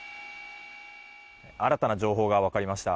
新たな情報が分かりました。